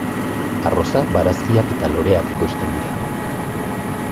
Arroza, barazkiak eta loreak ekoizten dira.